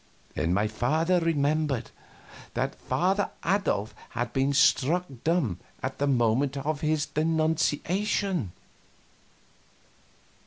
Then my father remembered that Father Adolf had been struck dumb at the moment of his denunciation.